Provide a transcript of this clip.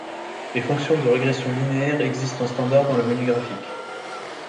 Les fonctions de régression linéaire existent en standard dans le menu graphique.